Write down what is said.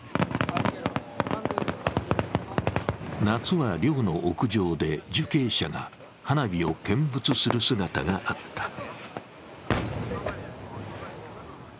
夏は寮の屋上で、受刑者が花火を見物する姿があった。